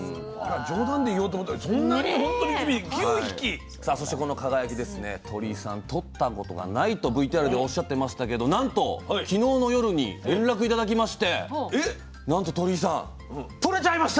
冗談で言おうと思ったらそんなにほんとに微々９匹⁉さあそしてこの「輝」ですね鳥井さんとったことがないとＶＴＲでおっしゃってましたけどなんと昨日の夜に連絡頂きましてなんと鳥井さんとれちゃいました！